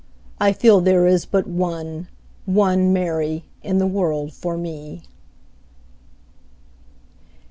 I feel there is but one, One Mary in the world for me.